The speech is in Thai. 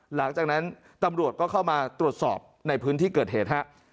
หลังจากนั้นตำรวจก็เข้ามาตรวจสอบในพื้นที่เกิดเหตุฮะ